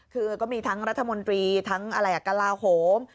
คือก็มีทั้งรัฐมนตรีทั้งอะไรกระลาโหม